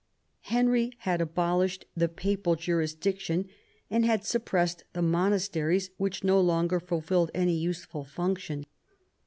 Henry had abolished the Papal jurisdiction and had suppressed the monas teries, which no longer fulfilled any useful function.